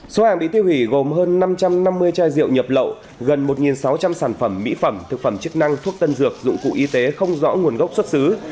số hàng bị tiêu hủy gồm hơn năm trăm năm mươi chai rượu nhập lậu gần một sáu trăm linh sản phẩm mỹ phẩm thực phẩm chức năng thuốc tân dược dụng cụ y tế không rõ nguồn gốc xuất xứ